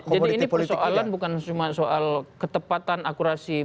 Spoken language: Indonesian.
jadi ini persoalan bukan cuma soal ketepatan akurasi menemukan